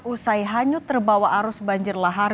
usai hanyut terbawa arus banjir lahar